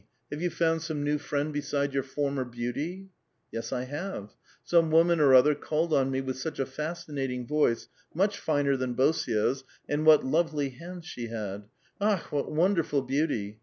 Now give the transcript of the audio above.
Have you found some new friend beside your former ' beauty '?"Yes, I have. Some woman or other called on me with such a fascinating voice, much finer than Bosio's, and what lovely hands she had ! Akh I what wonderful beauty